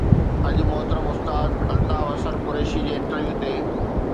اڄ محترم استاد الطاف حسن قريشي جي انٽرويو تي